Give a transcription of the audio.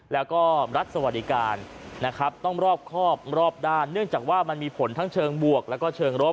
แล้วก็รัฐสวัสดิการนะครับต้องรอบครอบรอบด้านเนื่องจากว่ามันมีผลทั้งเชิงบวกแล้วก็เชิงรบ